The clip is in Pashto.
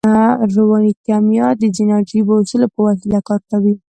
رواني کیمیا د ځينو عجیبو اصولو په وسیله کار کوي